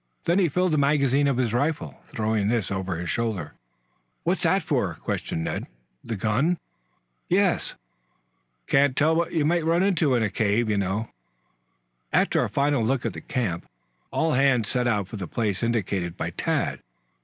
Then he filled the magazine of his rifle, throwing this over his shoulder. "What's that for?" questioned Ned. "The gun?" "Yes." "Can't tell what we may run into in a cave, you know." After a final look at the camp all hands set out for the place indicated by Tad.